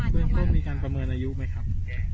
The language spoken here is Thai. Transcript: เรื่องต้นมีการประเมินอายุไหมครับ